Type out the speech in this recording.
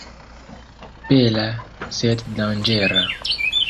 Bela, sed danĝera.